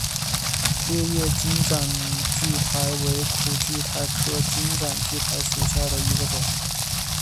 裂叶金盏苣苔为苦苣苔科金盏苣苔属下的一个种。